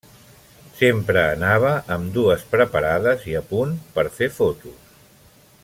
Sempre anava amb dues preparades i a punt per fer fotos.